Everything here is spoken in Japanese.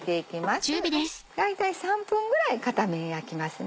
大体３分ぐらい片面焼きますね。